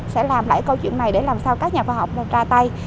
sẽ làm lại câu chuyện này để làm sao các nhà khoa học ra tay